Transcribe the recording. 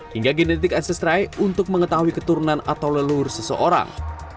hingga genetik ancestrai untuk mengetahui keturunan atau lelur seseorang